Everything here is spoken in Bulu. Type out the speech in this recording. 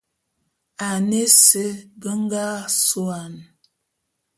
Ane ese be nga suane.